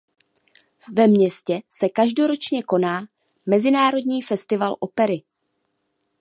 Ve městě se každoročně koná Mezinárodní festival opery.